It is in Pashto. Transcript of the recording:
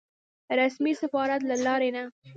رسمي سفارت له لارې نه.